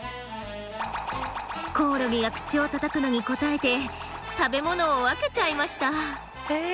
コオロギが口をたたくのに応えて食べ物を分けちゃいました。